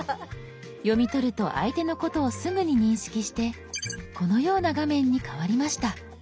読み取ると相手のことをすぐに認識してこのような画面に変わりました。